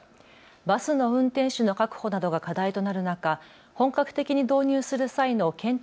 バスの運転手の確保などが課題となる中、本格的に導入する際の検討